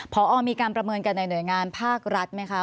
พอมีการประเมินกันในหน่วยงานภาครัฐไหมคะ